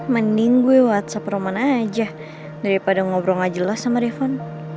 mending gue whatsapp roman aja daripada ngobrol gak jelas sama rifan